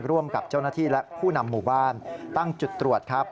ร่วมกับเจ้าหน้าที่และผู้นำหมู่บ้านตั้งจุดตรวจครับ